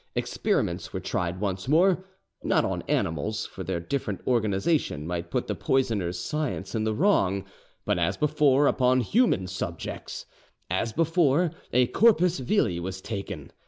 Experiments were tried once more, not on animals—for their different organisation might put the poisoner's science in the wrong—but as before upon human subjects; as before, a 'corpus vili' was taken.